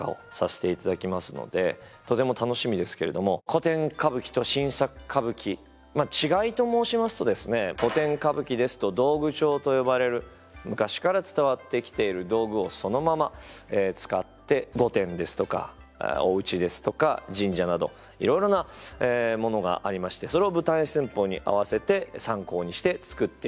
古典歌舞伎と新作歌舞伎まあ違いと申しますとですね古典歌舞伎ですと「道具帳」と呼ばれる昔から伝わってきている道具をそのまま使って御殿ですとかお家ですとか神社などいろいろなものがありましてそれを舞台寸法に合わせて参考にして作っていくわけです。